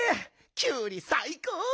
キュウリさいこう！